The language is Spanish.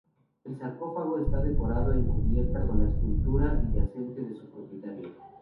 El sarcófago está decorado en su cubierta con la escultura yacente de su propietaria.